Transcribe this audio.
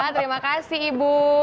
terima kasih ibu